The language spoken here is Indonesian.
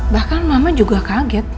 bahkan mama juga kaget